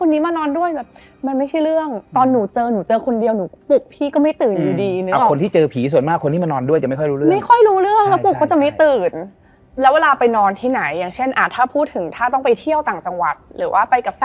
แล้วเหมือนใครส่งตัวแทนไปเหมือนไปดู